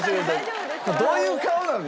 どういう顔なん？